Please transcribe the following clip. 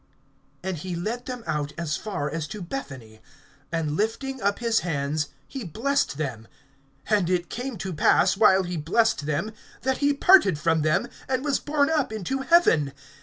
(50)And he led them out as far as to Bethany; and lifting up his hands, he blessed them. (51)And it came to pass, while he blessed them, that he parted from them, and was borne up into heaven.